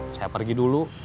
saya pergi dulu